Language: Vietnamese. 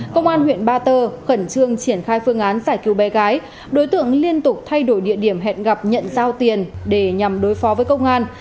công an huyện ba tơ khẩn trương triển khai phương án giải cứu bé gái đối tượng liên tục thay đổi địa điểm hẹn gặp nhận giao tiền để nhằm đối phó với công an